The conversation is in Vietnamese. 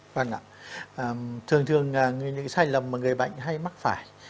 vâng ạ thường thường những sai lầm mà người bệnh hay mắc phải